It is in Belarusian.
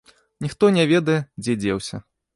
Ніхто не ведае, дзе дзеўся.